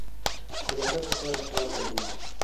د صداقت لپاره اخلاق اړین دي